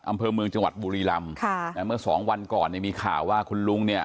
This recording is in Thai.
อำเภอเมืองจังหวัดบุรีรำค่ะนะเมื่อสองวันก่อนเนี่ยมีข่าวว่าคุณลุงเนี่ย